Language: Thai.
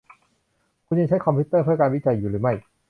คุณยังคงใช้คอมพิวเตอร์เพื่อการวิจัยอยู่หรือไม่ ?